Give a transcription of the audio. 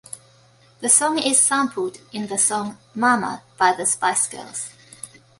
The song is sampled in the song Mama by the Spice Girls.